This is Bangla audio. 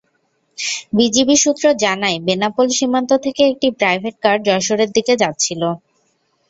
বিজিবি সূত্র জানায়, বেনাপোল সীমান্ত থেকে একটি প্রাইভেট কার যশোরের দিকে যাচ্ছিল।